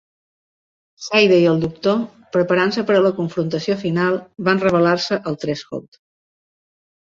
Shayde i el Doctor, preparant-se per a la confrontació final, van revelar-se al Threshold.